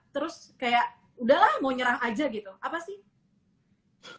terus kayak udahlah mau nyerang aja gitu apa sih